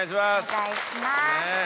お願いします。